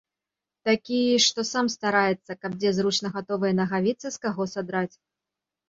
Такі, што сам стараецца, каб дзе зручна гатовыя нагавіцы з каго садраць.